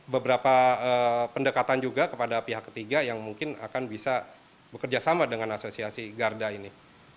beberapa pendekatan juga kepada pihak ketiga yang mungkin akan bisa bekerja sama dengan asosiasi garda ini